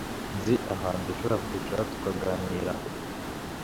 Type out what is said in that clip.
Nzi ahantu dushobora kwicara tukaganira.